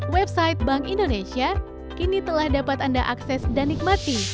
website bank indonesia kini telah dapat anda akses dan nikmati